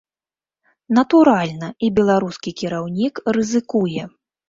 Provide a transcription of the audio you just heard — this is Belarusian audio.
Натуральна, і беларускі кіраўнік рызыкуе.